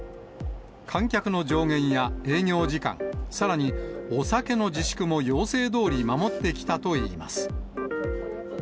観客の上限や営業時間、さらに、お酒の自粛も要請どおり守ってきたといいます。